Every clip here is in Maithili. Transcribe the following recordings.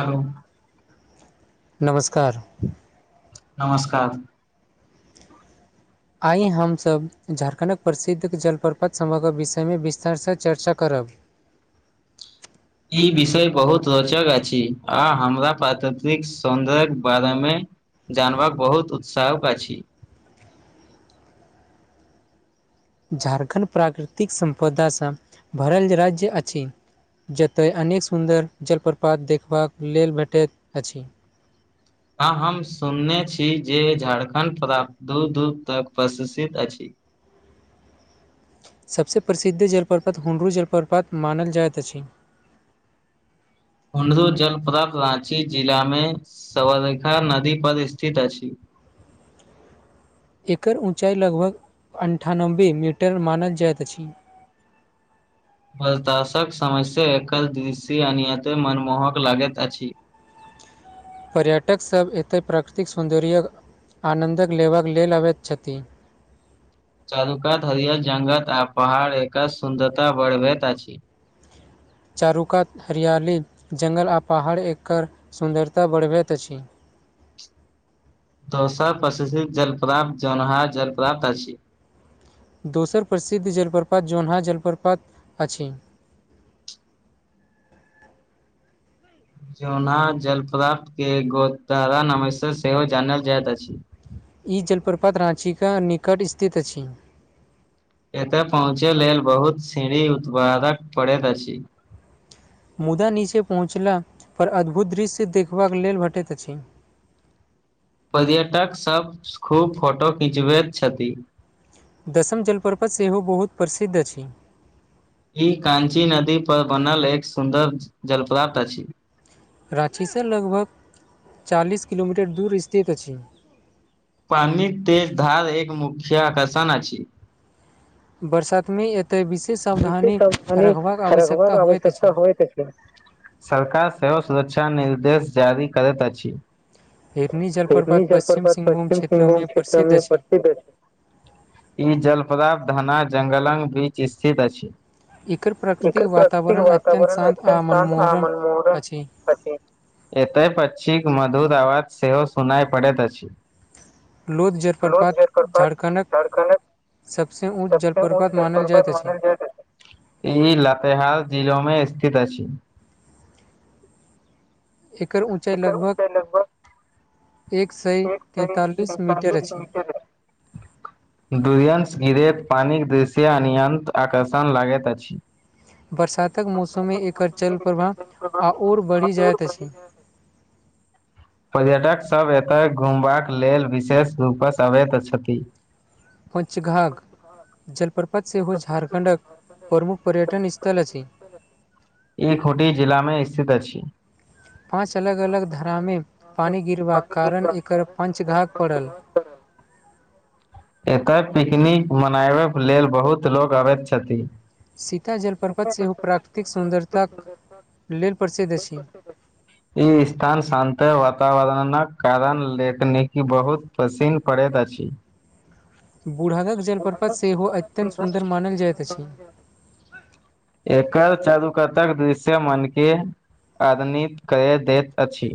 आरो नमस्कार नमस्कार आइ हमसभ झारखण्डक प्रसिद्ध जलप्रपात सभहक विषयमे विस्तारसँ चर्चा करब करब ई विषय बहुत रोचक अछि आ हमरा प्राकृतिक सौन्दर बारे मे जानबाक बहुत उत्साहक अछी [inaudible] झारखण्ड प्राकृतिक संप्रदा सँ भरल राज्य अछि जतय अनेक सुन्दर जलप्रपात देखबाक लेल भेटैत अछि हँ हम सुनने छी जे झारखण्ड प्राप्त दूर दूर तक प्रश्षित अछि ह [inaudible] सभसे प्रसिद्ध जलप्रपात हुनड्रू जलप्रपात मानल जाइत अछि [inaudible] हुंड्रू जलप्राप्त राँची जिलामे सवर रेखा नदी पर स्थित अछि [inaudible] एकर ऊँचाइ लगभग अन्ठानबे मीटर मानल जाइत अछि [inaudible] बल ताशक समस्या एकर दृशय अनियाते मनमोहक लागैत अछि पर्यटक सभ एतै प्राकृतिक सौन्दर्य आनन्दक लेबाक लेल अबैत छथि चारू कात हरियर जंगत आ पहाड़ एकर सुन्दरता बर्भत अछि [inaudible] चारुकात हरियाली जङ्गल आ पहाड़ एकर सुन्दरता बढ़बैत अछि [inaudible] दोसर प्रसि शिद्धध जलप्राप्त जौनहार जलप्राप्त अछि दोसर प्रसिद्ध जलप्रपात जोनहा जलप्रपात अछि [inaudible] जोनाह जलप्राप्त के गोतारा नमसय सेहो जानल जाइत अछि ई जलप्रपात राँची के निकट स्थित अछि एतय पहुँचय लेल बहुत सीढ़ी उत्पादक पड़ैत अछि मुदा नीचे पहुँचला पर अद्भुत दृश्य देख बक लेल भेटैत अछि [inaudible] पर्यटक सभ खूब फोटो खिचबैत छथि दसम जलपर्वत सेहो बहुत प्रसिद्ध अछि ई कांची नदी पर बनल एक सुन्दर जलप्राप्त अछि राँची से लगभग चालीस किलोमीटर दूर स्थित अछि पानी के धार एक मुख्य आकर्षण अछि बरसातमे एत बशे अान खरा आवश्यकता हबाक होइत अछि। आवश्यकता होत छै [unintelligible] सरकार सेहो सुरक्षा निर्देश जारी करैत अछि हिरनी जलप्रपात परी पश्चिम जलप्रपात सिंहभूम पश्चिम क्षेत्रमे सिंभूम प्रसिद्ध क्षेत्रमे अछि। प्रसिद्ध छै [unintelligible] ई जलप्राप्त धना जङ्गलक बीच स्थित अछि एकर प्राकृतिक एकर प्रकृतिक वातावरण अत्यंत वातावरण शांत आ अत्यंत शान्त आ मनमोहक अछि। मनमोहक अछि एतय पक्षिक मधुर आवाज सेहो सुनाइ पड़ैत अछि लोक जे जलप्रपात झारखण्डक सबसँ ऊँच जलप्रपात मानल जाइत अछि ई लातहाल जिलामे स्थित अछि एकर ऊँचाई लगभग एक सय रे तैंतालीस मीटर अछि। [unintelligible] पानीक दृश्य अन्यन्त आकर्षण लागैत अछि। बरसातक मौसममे एकर चल प्रवाह आओर बढ़ि जाइत अछि। पर्यटकसभ एतय घुमबाक लेल विशेष रूपसँ अबैत छथि। पञ्चघाघ जलप्रपत सेहो हो झारखण्डक प्रमुख पर्यटन स्थल अछि ई खूटी जिलामे स्थित अछि पाँच अलग अलग धरामे पानि गिरबाक कारण एकर पञ्चघाग पड़ल [inaudible] एकर पिकनिक मनावक लेल बहुत लोक आबैत छथिन सीता जलपर्पत सेहो ओ प्राकृतिक सुन्दरताक लेल प्रसिद्ध अछि ई स्थान शान्त वातावरणक कारण तकनीकी बहुत पसिन्न पड़ैत अछि बूढ़हदक जलप्रपत सेहो अत्यन्त सुन्दर मानल जाइत अछि एकर चारु कतक दृश्य मन के आधनित कर दैत अछि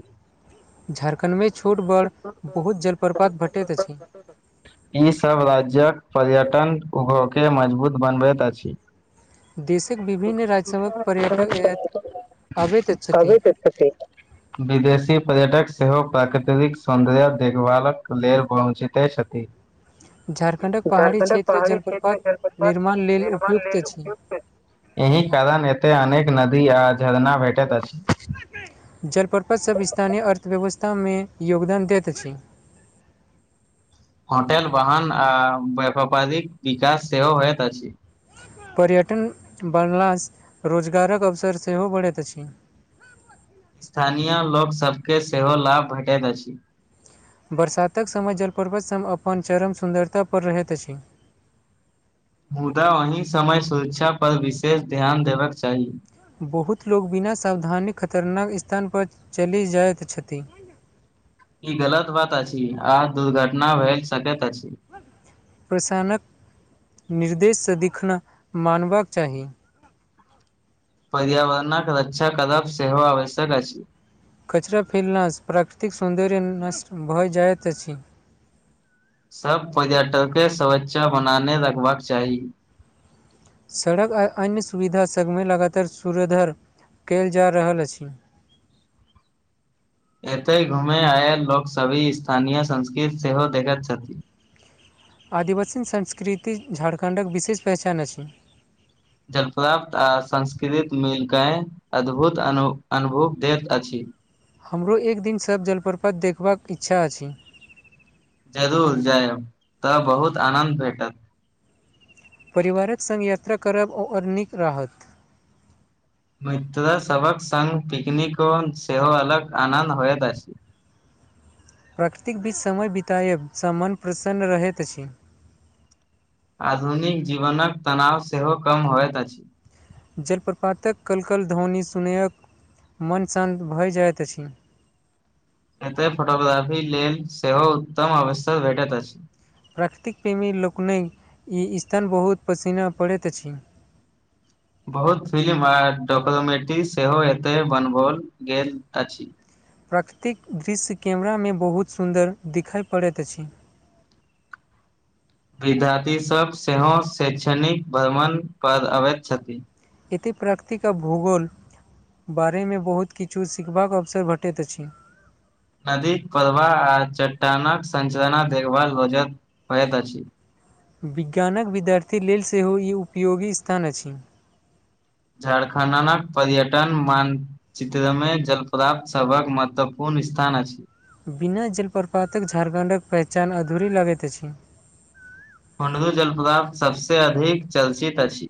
झारखण्डमे छोट बड़ बहुत जलप्रपात भेटैत अछि ईसभ राज्यक पर्यटन उभेँ मजबूत बनबैत अछि देशक [unintelligible] विभिन्न राज्य सभक पर्यटक अबैत छथि। विदेशी पर्यटक सेहो प्राकृतिक सौन्दर्य देखभालक लेल पञचिते छथि झारखंडक पहाड़ी झारखणडक क्षेत्र पहाड़ी क्षेत्र जलप्रपात जन पर निर्माण लेल निर्माण उपयुक्त ल उपयुक्त अछि। एहि कारण एते अनेक नदी आ झरना भेटैत अछि। जरपर्पत् सभ स्थानिय अर्थवस्था ामे योगदान दैत अछि। होटेल बाहन आ व्यापारिक विकास सेहो सेहो होयत अछि। पर्यटन बनलासँ रोजगारक अवसर सेहो बढ़ैत अछि। ह स्थानीय लोकसभके सेहो लाभ भेटैत अछि। बरसातक समय जलपर्वत सभ अपन चरम सुन्दरता परर रहैत अछि। [inaudible] मुदा ओही समय सुरक्षा परर विशेष ध्यान देबाकक चाही बहुत लोक बिना सावधानी खतरनाक स्थानपर चलि जाइत छथि। ई गलत बात अछि आ दुर्घटना भेल सकैत अछि। प्रसानक नि उद्देश्य देखिखना मानबाक चाही पर्यावरणक रक्षा करब सेहो आवश्यक अछि। कचरा फिलनास प्राकृतिक सौन्दर्य नष्ट भऽ जाइत अछि। सभ पर्यटकके सुरक्षा बनाने रखबाक चाही सड़क आ अन्य सुविधा सभमे लगातार सुरधर कयल जा रहल अछि। एतय घूमय आयल लोक सभी स्थानीय संस्कृति सेहो देखैत छथि। आदिवासी संस्कृति झाड़खण्डक विशेष पहचान अछि। जलपाप्त आ संस्कृत मिलके अद्भुत अन अनुभूव दैत अछि। हमरो एक दिन सभ जलप्रपत देखबाक इच्छा अछि जरूर जायब तऽ बहुत आनन्द भेटत परिवारक संग यात्रा करब ओ और निक राहत मित्र सभक संगङ्ग पिकनिको सेहो अलग आनन्द होइत अछि। प्रकृतिक बीच समय बिताएब स मन प्रसन्न रहैत अछि। आधुनिक जीवनक तनाव सेहो कम होइत अछि। जलप्रपातक कलकल ध्वनि सुनयक मन शान्त भई जाइत अछि एत फोटोग्राफी लेल सेहो उत्तम अवसर भेटैत अछि प्राकृतिक प्रेमी लोकनिक ई स्थान बहुत पसीना पड़ैत अछि [inaudible] बहुत फिल्म आ डॉक्यूमेंट्री सेहो एतय बनाओल गेल अछि। प्राकृतिक दृश्य कैमरामे बहुत सुन्दर देखिय पड़ैत अछि। [inaudible] विद्यार्थीसभ सेहो शैक्षणिक भ्रमण पर अबैत छथिन य प्रकृिक भूगोल बारेमे बहुत किछु सिखबाक अवसर भेटैत अछि। नदीक पवाह आ चट्टानक संचरना देखभाल ब होइत अछि। विज्ञानक विद्यार्थी लेल सेहो ई उपयोगी स्थान अछि। झारखण्डक पर्यटन मानचित्रमे जलप्राप्त सभक महत्वपूर्ण स्थान छै। बिना जलप्रपातक झारखण्डक पहचान अधूरी लगैत अछि। हुणडू जलप्र्त सबस अधिक चलचित अछि।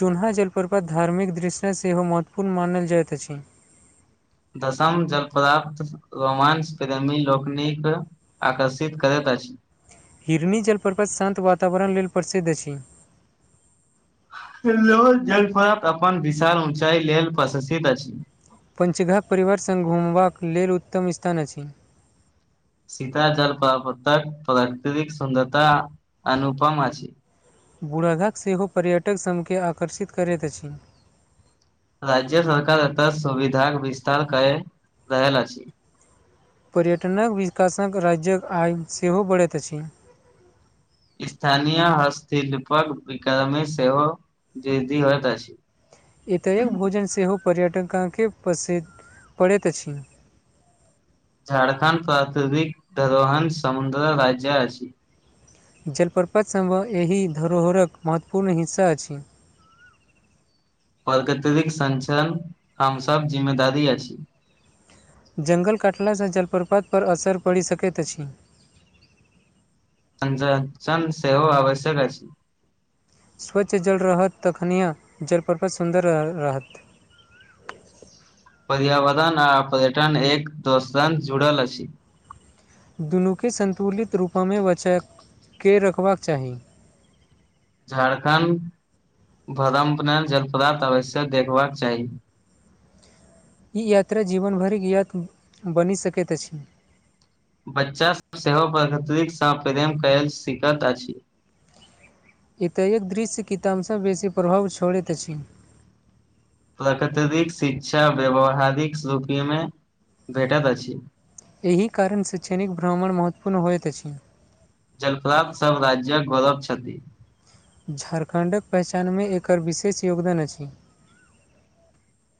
जोन्हा जलप्रपात धार्मिक दृष््य सेहो महत्वपूर्ण मानल जाइत अछि। दशम जलप्राप्त रोमांच प्रेमी लोकनिक आकर्षित करैत [unintelligible] हिरनी जलप्रपत शान्त वातावरण लेल प्रसिद्ध अछि हेलो जल पर अपन विशाल ऊचाई लेल प्रशसित अछि पञ्चघा परिवार सङ्ग घुमबाक लेल उत्तम स्थान अछि सीता जलपक प्राकृतिक सुन्दरता अनुपम अछि बुराघाक सेहो पर्यटक सनके आकर्षित करैत अछि राज्य सरकार एतऽ सुविधाक विस्तार करै रहल अछि पर्यटनक विकासक राज्यक आय सेहो बढ़ैत अछि स्थानीय हस्तिलिपक विक्रम सेहो द दी घ तऽसी एत एक भोजन सेहो पर्यटक काँ के प्रस पड़ैत अछि झाड़खण्ड प्राकृतिक धरोहन समुद्र राज्य अछि जलप्रपतसभह एहि धरोहरक महत्वपूर्ण हिस्सा अछि प्रकृतरिक स्चन हमसब जिम्मेदारी अछि छी जङ्गल कटलासँ जलप्रपात पर असर पड़ि सकैत अछि न सेहो सेहो आवश्यक अछि अछि स्वच्छ जल रहत तखनिएे जलपर्पच सुन्दर रहत [inaudible] पर्यावरण आ पर्यटन एक दोसान जुड़ल अछि दुनूके सतुलित रूपमे बचाक के रखबाक चाही झड़खण्ड भ्रमपण जल पदार्थ आवश्यक देखबाक चाही ई यात्रा जीवनभरिक ज्ञात बनि सकैत अछि बच्चासभ सेहो प्रकतिकसँ प्रेम करयल सिखैत अछि एतऽक दृश्य किताबसँ बेसी प्रभाव छोड़ैत अछि प्राकृतिक शिक्षा व्यावहारिक रूपीमे भेटैत अछि एहि कारण शैक्षणिक भ्रमण महत्वपूर्ण होइत अछि जलप्रात सभ राज्यक गौरव छथि झारखण्डक पहचानमे एकर विशेष योगदान अछि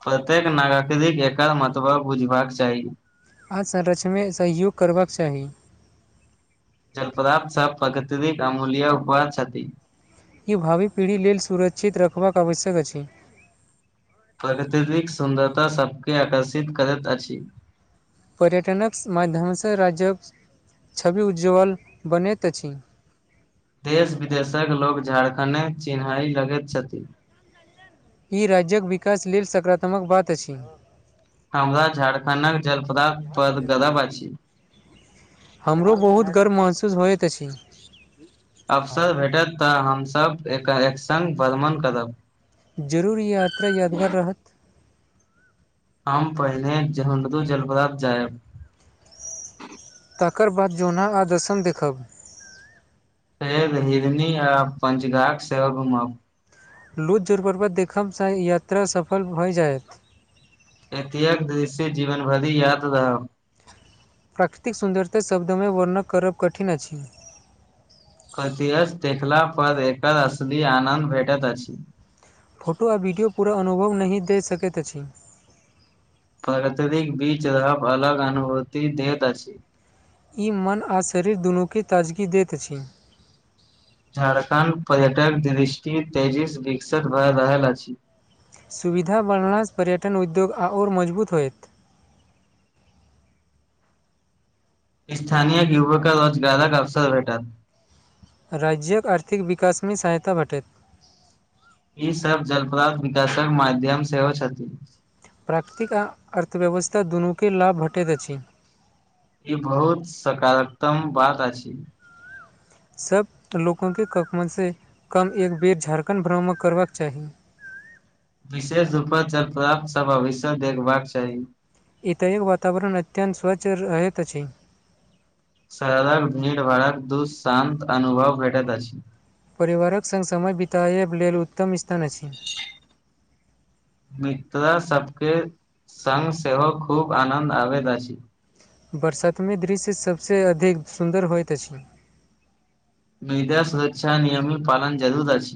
प्रत्येक नागरिक एकर मतब बुझबाक चाही आ संरचमे सहयोग करबाक चाही जलप्राप्त सभ प्रकृतिक अमूल्य उपवाद छथि ई भावी पीढ़ी लेल सुरक्षित रखबाक आवश्यक अछि प्रकृतिक सुन्दरता सभके आकर्षित करैत अछि पर्यटनक मध्यमसँ राज्यक छवि उज्ज्वल बनैत अछि देश विदेशक लोक झारखण्डे चिन्हाइ लगैत छथि ई राज्यक विकास लेल सकारात्मक बात अछि हमरा झारखण्डक जलप्रात पर गरव अछि हमरो बहुत गर्व महसूस होइत अछि अवसर भेटत तऽ हमसभ एकर एकसंग भ्रमण करब जरूर यात्रा यादगार रहत हम पहिने जहनदू जलपरात जायब तकर बाद जोना आदर्शन देखब फेर हिरनी आ पंचघाट सेहो घुमाउ लूत जोरपर्वत देखबसँ यात्रा सफल भऽ जायत एतेक दृश्य जीवन भरि याद रहब प्राकृतिक सुन्दरता शब्दमे वर्णन करब कठिन अछि कतयस देखला पर एकर असली आनन्द भेटैत अछि फोटो आ वीडियो पूरा अनुभव नहि दे सकैत अछि प्रतरीक बीज रहब अलग अनुभूति देत अछि ई मन आ शरीर दुनूके ताजगी दैत अछि झारखण्ड पर्यटक दृष्टि तेजी सँ विकसित भए रहल अछि सुविधा बनला सँ पर्यटन उद्योग आओर मजबूत होयत स्थानीय युवक रोजगारक अवसर भेटत राज्यक आर्थिक विकासमे सहायता भेटत ईसभ जलप्रात विकासक माध्यम सेहो छथि प्राकृतिक आ अर्थव्यवस्था दुनूके लाभ भेटैत अछि ई बहुत सकारात्तम बात अछि सभ लोकंके ककमनसँ कम एक बेर झारखण्ड भ्रमण करबाक चाही [inaudible] विशेष रूपक जलप्रात सभ आवश्यक देखबाक चाही इतएक वातावरण अत्यंत स्वच्छ रहैत अछि सड़क भीड़ भाड़ाक दुः शान्त अनुभव भेटैत अछि परिवारक संग समय बितायब लेल उत्तम तन अछि तोरा सबके संग सेहो खूब आनन्द आबैत अछि बरसात मे दृश्य सभसँ अधिक सुन्दर होइत अछि मृदा सुरक्षा नियमित पालन जरुर अछि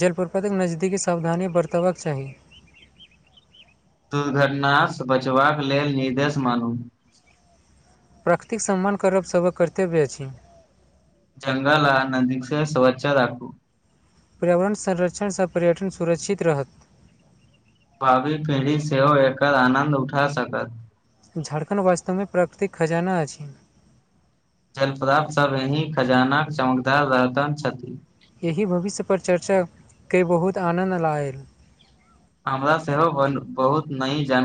जलप्रपातक नजदीकी सावधानी बरतबाक चाही दुर्घटना सँ बचबाक लेल निर्देश मानू प्राकृतिक सम्मान करब सभक कर्तव्य अछि जंगल आ नदीक से स्वचछ राखू पर्यावरण संरक्षण सँ पर्यटन सुरक्षित रहत भावी पीढ़ी सेहो एकर आनन्द उठा सकत झारखण्ड वास्तवमे प्राकृतिक खजाना अछि जल प्राप्त सब यही खजानाक चमकदार रहतन छथि एहि भविष्यपर चर्चा के बहुत आनन्द लायल हमरा सेहो बहुत न जान